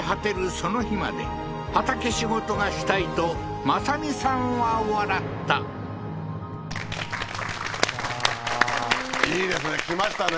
その日まで畑仕事がしたいと正美さんは笑ったうわーいいですね来ましたね